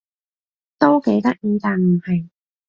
都幾得意但唔係